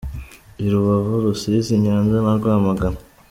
I Rubavu, Rusizi, Nyanza na Rwamagana.